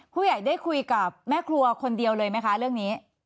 ผู้ใหญ่ได้คุยกับแม่ครัวคนเดียวเลยไหมคะเรื่องนี้